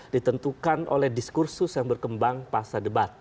ditentukan oleh diskursus yang berkembang pasca debat